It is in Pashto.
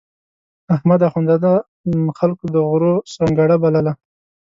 احمد اخوندزاده خلکو د غرو سنګړه بلله.